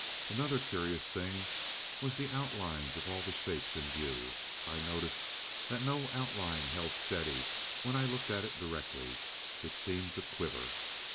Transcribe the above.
"Another curious thing was the outlines of all the shapes in view. I noticed that no outline held steady when I looked at it directly; it seemed to quiver.